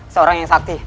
seorang yang sakti